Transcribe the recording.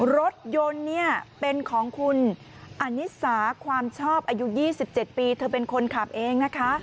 รถยนต์เนี่ยเป็นของคุณอนิสาความชอบอายุ๒๗ปีเธอเป็นคนขับเองนะคะ